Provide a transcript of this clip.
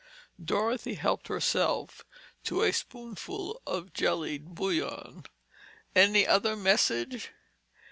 Dorothy helped herself to a spoonful of jellied bouillon. "Any other message?"